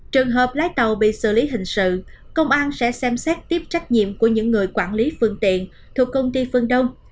trường hợp lái tàu bị xử lý hình sự công an sẽ xem xét tiếp trách nhiệm của những người quản lý phương tiện thuộc công ty phương đông